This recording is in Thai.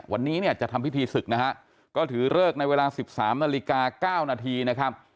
วันนี้เนี่ยจะทำพิธีศึกนะฮะก็ถือเลิกในเวลา๑๓นาฬิกา๙นาทีนะครับ